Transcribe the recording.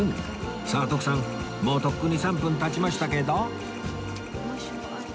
さあ徳さんもうとっくに３分経ちましたけど？